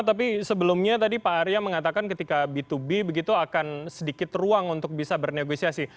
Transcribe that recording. tapi sebelumnya tadi pak arya mengatakan ketika b dua b begitu akan sedikit ruang untuk bisa bernegosiasi